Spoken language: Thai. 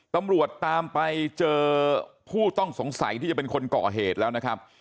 ตำรวจตามไปเจอผู้ต้องสงสัยที่จะเป็นคนก่อเหตุแล้วนะครับ